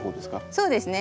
そうですね。